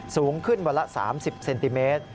สูงขึ้นวันละ๓๐เซนติเมตร